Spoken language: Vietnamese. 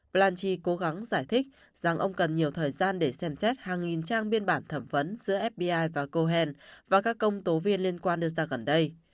branchi cố gắng giải thích rằng ông cần nhiều thời gian để xem xét hàng nghìn trang biên bản thẩm vấn giữa fbi và cohen và các công tố viên liên quan đưa ra gần đây